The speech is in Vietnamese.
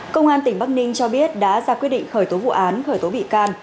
công an tỉnh bắc ninh cho biết đã ra quyết định khởi tố vụ án khởi tố bị can